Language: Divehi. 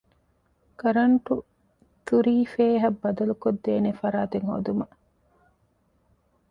ކަރަންޓް ތުރީފޭހަށް ބަދަލުކޮށްދޭނެ ފަރާތެއް ހޯދުމަށް